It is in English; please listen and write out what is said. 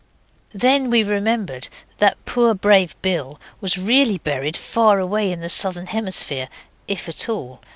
Then we remembered that poor brave Bill was really buried far away in the Southern hemisphere, if at all.